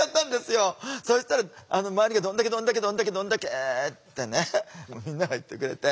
そしたら周りが「どんだけどんだけどんだけどんだけ！」ってねみんなが言ってくれて。